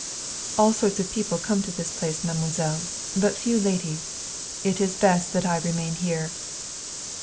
"All sorts of people come to this place, mademoiselle. But few ladies. It is best that I remain here."